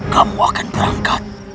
kamu akan berangkat